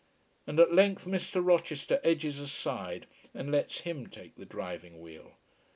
And at length Mr. Rochester edges aside, and lets him take the driving wheel.